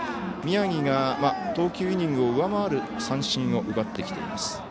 宮城が投球イニングを上回る三振を奪ってきています。